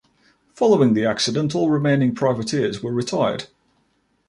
Following the accident, all remaining Privateers were retired.